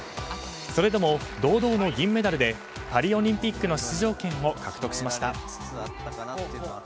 それでも堂々の銀メダルでパリオリンピックの出場権を獲得しました。